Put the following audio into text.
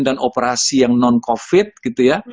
dan operasi yang non covid gitu ya